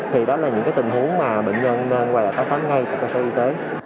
thì đó là những tình huống mà bệnh nhân nên quay lại phát